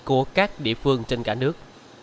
của các địa phương trên cả nước